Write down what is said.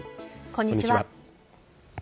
こんにちは。